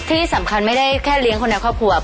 ที่สำคัญไม่ได้แค่เลี้ยงคนในครอบครัว